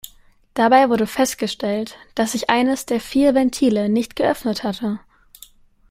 Dabei wurde festgestellt, dass sich eines der vier Ventile nicht geöffnet hatte.